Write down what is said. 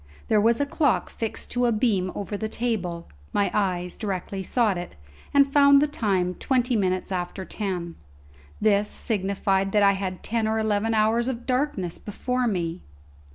There was a clock fixed to a beam over the table; my eyes directly sought it, and found the time twenty minutes after ten. This signified that I had ten or eleven hours of darkness before me!